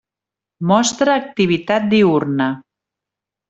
Mostra activitat diürna.